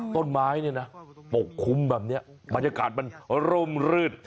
ต้นไม้ปกคลุมแบบนี้บรรยากาศมันร่มรืด